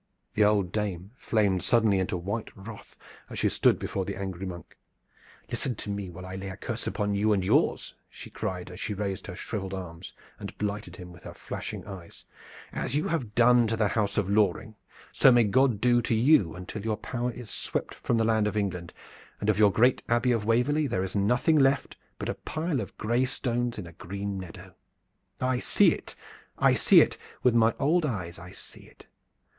The old dame flamed suddenly into white wrath as she stood before the angry monk: "Listen to me while I lay a curse upon you and yours!" she cried as she raised her shriveled arms and blighted him with her flashing eyes "As you have done to the house of Loring, so may God do to you, until your power is swept from the land of England, and of your great Abbey of Waverley there is nothing left but a pile of gray stones in a green meadow! I see it! I see it! With my old eyes I see it!